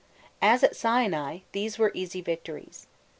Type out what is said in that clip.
As at Sinai, these were easy victories.